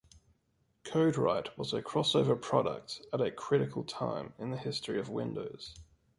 CodeWright was a crossover product at a critical time in the history of Windows.